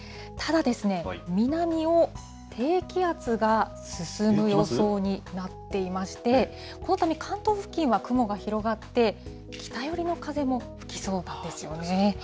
ただ、南を低気圧が進む予想になっていまして、このため、関東付近は雲が広がって、北寄りの風も吹きそうですよね。